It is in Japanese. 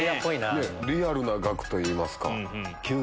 リアルな額といいますか。